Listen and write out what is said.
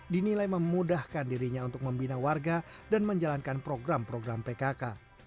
dinilai memudahkan dirinya untuk membina warga dan menjalankan program program pkk